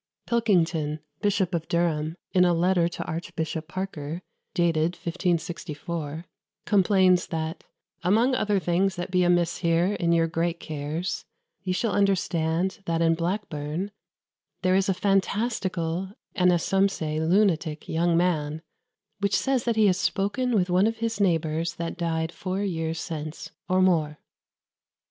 Pilkington, Bishop of Durham, in a letter to Archbishop Parker, dated 1564, complains that, "among other things that be amiss here in your great cares, ye shall understand that in Blackburn there is a fantastical (and as some say, lunatic) young man, which says that he has spoken with one of his neighbours that died four year since, or more.